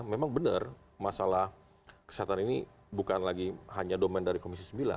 memang benar masalah kesehatan ini bukan lagi hanya domain dari komisi sembilan